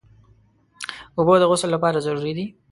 اوبه د غسل لپاره ضروري دي.